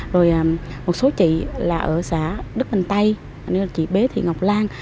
rồi một số chị là ở xã đức bình tây chị bế thị ngọc lan